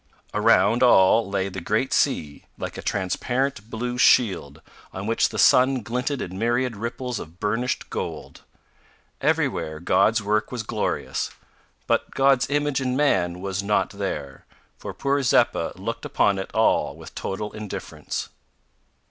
Around all lay the great sea, like a transparent blue shield, on which the sun glinted in myriad ripples of burnished gold. Everywhere God's work was glorious, but God's image in man was not there, for poor Zeppa looked upon it all with total indifference.